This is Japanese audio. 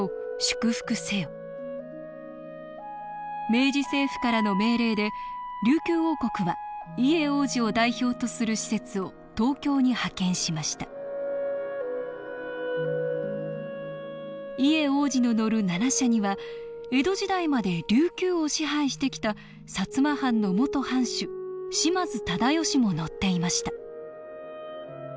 明治政府からの命令で琉球王国は伊江王子を代表とする使節を東京に派遣しました伊江王子の乗る七車には江戸時代まで琉球を支配してきた薩摩藩の元藩主島津忠義も乗っていました